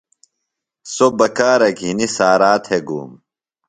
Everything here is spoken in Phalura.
سو بکارہ گِھینی سارا تھےۡ گوم۔